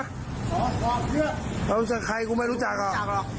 ฮะรู้จักใครกูไม่รู้จักหรอ